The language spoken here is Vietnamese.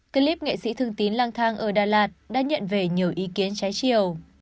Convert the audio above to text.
clip nghệ sĩ thương tín lang thang ở đà lạt đã nhận về nhiều ý kiến trái chiều